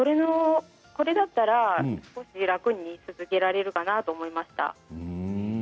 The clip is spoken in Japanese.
これだったら気楽に続けられるかなと思いました。